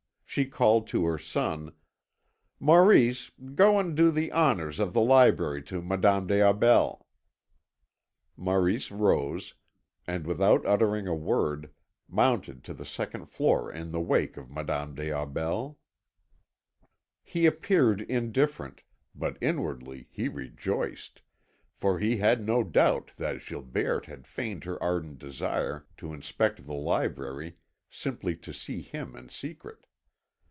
She called to her son: "Maurice, go and do the honours of the library to Madame des Aubels." Maurice rose, and without uttering a word, mounted to the second floor in the wake of Madame des Aubels. He appeared indifferent, but inwardly he rejoiced, for he had no doubt that Gilberte had feigned her ardent desire to inspect the library simply to see him in secret.